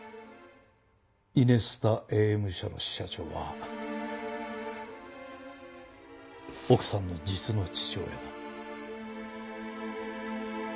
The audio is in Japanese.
イネスタＡＭ社の支社長は奥さんの実の父親だ。